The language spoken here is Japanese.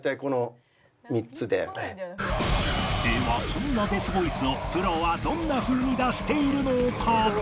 ではそんなデスボイスをプロはどんな風に出しているのか？